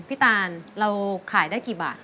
ตานเราขายได้กี่บาท